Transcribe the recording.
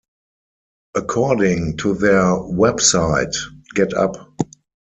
According to their website, GetUp!